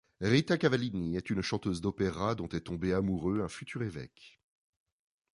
Rita Cavallini est une chanteuse d'opéra dont est tombé amoureux un futur évêque.